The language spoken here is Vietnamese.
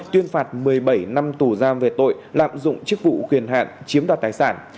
tuyên phạt một mươi bảy năm tù giam về tội lạm dụng chức vụ quyền hạn chiếm đoạt tài sản